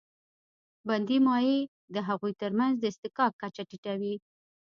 بندي مایع د هغوی تر منځ د اصطحکاک کچه ټیټوي.